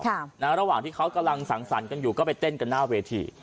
ระหว่างที่เขากำลังสังสรรค์กันอยู่ก็ไปเต้นกันหน้าเวที